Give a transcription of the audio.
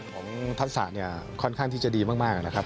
ทักษะเนี่ยค่อนข้างที่จะดีมากนะครับ